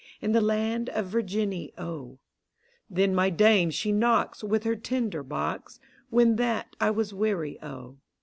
In the land of Virginny, O: Then my Dame she knocks With her tinder box. When that I was weary, O.